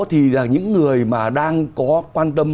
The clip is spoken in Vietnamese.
thì là những người mà đang có quan tâm